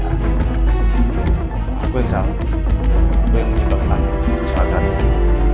aku yang salah apa yang menyebabkan kecelakaan ini